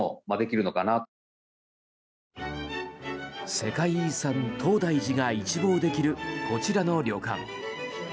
世界遺産・東大寺が一望できるこちらの旅館。